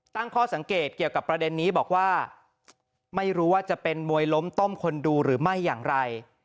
ตั้งข้อสังเกตเกี่ยวกับประเด็นนี้บอกว่าไม่รู้ว่าจะเป็นมวยล้มต้มคนดูหรือไม่อย่างไร